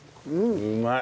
うまい。